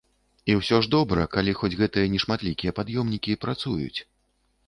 І ўсё ж добра, калі хоць гэтыя нешматлікія пад'ёмнікі працуюць.